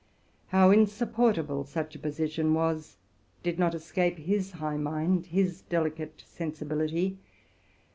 How insupportable such a position was, did not escape his high mind, his delicate sensibility.